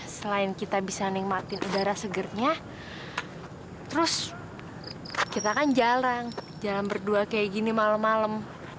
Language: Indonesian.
selain kita bisa nikmatin udara segernya terus kita kan jarang berdua jalan kayak gini malem malem